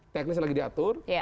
teknis lagi diatur